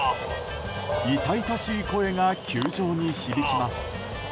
痛々しい声が球場に響きます。